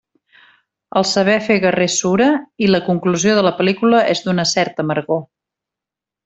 El saber fer guerrer sura i la conclusió de la pel·lícula és d’una certa amargor.